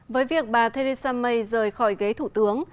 với việc bà theresa may rời khỏi ghế thủ tướng